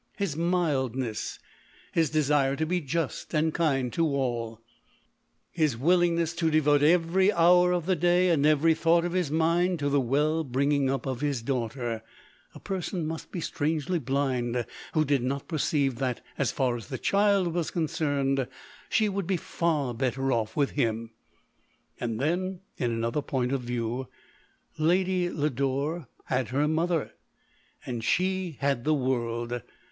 / 174 LODORE. his mildness, his desire to be just and kind to all, his willingness to devote every hour of the day, and every thought of his mind, to the well bringing up of his daughter : a person must be strangely blind who did not perceive that, as far as the child was concerned, she would be far better off with him. And then, in another point of view : Lady Lodore had her mother — and she had the world.